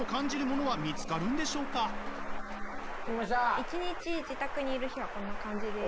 １日自宅にいる日はこんな感じです。